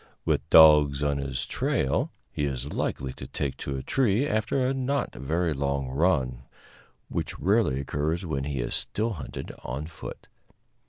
With dogs on his trail he is likely to take to a tree after a not very long run, which rarely occurs when he is still hunted on foot.